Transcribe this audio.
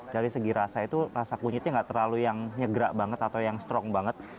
dari segi rasa itu rasa kunyitnya nggak terlalu yang nyegerak banget atau yang strong banget